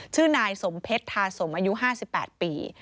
ชื่อนายสมเพชรทาสมอายุ๕๘ปี